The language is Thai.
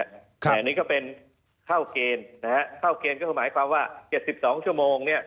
แต่อันนี้ก็เป็นเข้าเกณฑ์นะฮะเข้าเกณฑ์ก็คือหมายความว่า๗๒ชั่วโมงเนี่ย